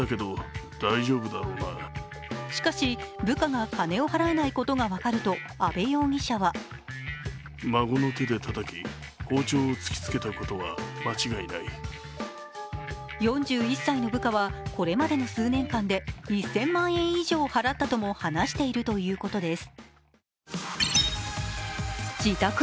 しかし、部下が金を払えないことが分かると阿部容疑者は４１歳の部下は、これまでの数年間で１０００万円以上払ったとも話しているということです。